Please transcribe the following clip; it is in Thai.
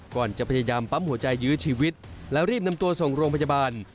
ก่อนจะพยายามปั๊มหัวใจยื้อชีวิตแล้วรีบนำตัวส่งโรงพยาบาล